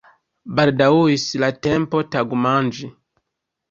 Baldaŭis la tempo tagmanĝi.